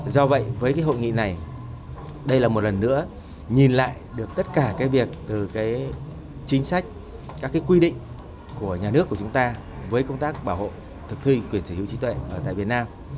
do vậy với cái hội nghị này đây là một lần nữa nhìn lại được tất cả cái việc từ chính sách các cái quy định của nhà nước của chúng ta với công tác bảo hộ thực thi quyền sở hữu trí tuệ ở tại việt nam